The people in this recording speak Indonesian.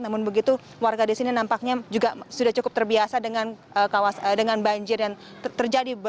namun begitu warga di sini nampaknya juga sudah cukup terbiasa dengan banjir yang terjadi